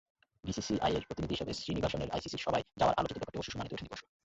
বিসিসিআইয়ের প্রতিনিধি হিসেবে শ্রীনিবাসনের আইসিসির সভায় যাওয়ার আলোচিত ব্যাপারটি অবশ্য শুনানিতে ওঠেনি পরশু।